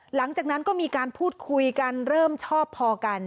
หลังจากนั้นก็มีการพูดคุยกันเริ่มชอบพอกัน